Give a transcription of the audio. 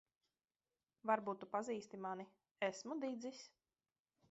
Varbūt tu pazīsti mani. Esmu Didzis.